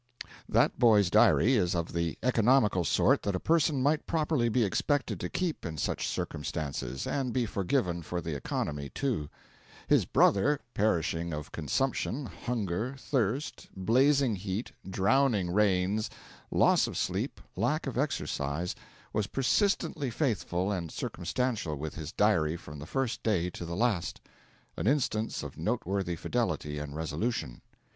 That boy's diary is of the economical sort that a person might properly be expected to keep in such circumstances and be forgiven for the economy, too. His brother, perishing of consumption, hunger, thirst, blazing heat, drowning rains, loss of sleep, lack of exercise, was persistently faithful and circumstantial with his diary from the first day to the last an instance of noteworthy fidelity and resolution.